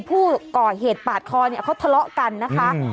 ผู้ก่อเหตุปาดคอเนี่ยเขาทะเลาะกันนะคะ